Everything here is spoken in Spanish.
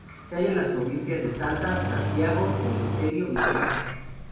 Se halla en las provincias de Salta, Santiago del Estero y Chaco.